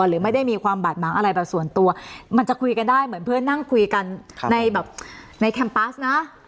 หรือไม่ได้มีความบาดหมางอะไรแบบส่วนตัวมันจะคุยกันได้เหมือนเพื่อนนั่งคุยกันในแบบในแคมปัสนะ